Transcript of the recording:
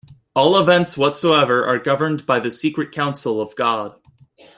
All events whatsoever are governed by the secret counsel of God.